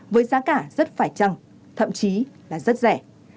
với giá cả rất phải trăng thậm chí là rất rẻ